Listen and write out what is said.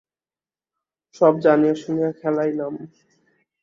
সব জানিয়া শুনিয়া খেলায় নাম।